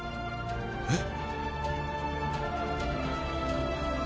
えっ。